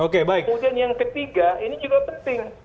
kemudian yang ketiga ini juga penting